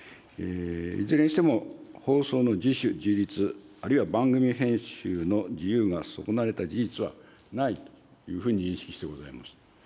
いずれにしても、放送の自主・自律、あるいは番組編集の自由が損なわれた事実はないというふうに認識してございます。